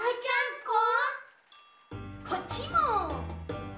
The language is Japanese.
こっちも。